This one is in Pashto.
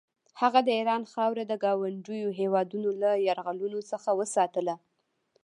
هغه د ایران خاوره د ګاونډیو هېوادونو له یرغلونو څخه وساتله.